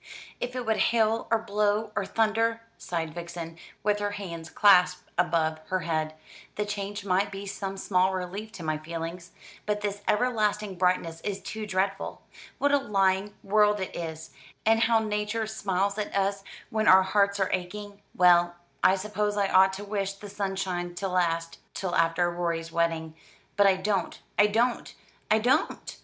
"If it would hail, or blow, or thunder," sighed Vixen, with her hands clasped above her head, "the change might be some small relief to my feelings; but this everlasting brightness is too dreadful. What a lying world it is, and how Nature smiles at us when our hearts are aching. Well, I suppose I ought to wish the sunshine to last till after Rorie's wedding; but I don't, I don't, I don't!